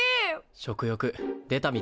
食欲出たみたいだな。